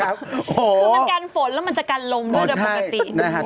คือมันกันฝนแล้วมันจะกันลมด้วยโดยปกติ